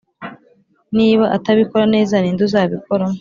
niba atabikora, neza, ninde uzabikora?